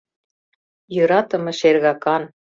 Йӧратыме шергакан.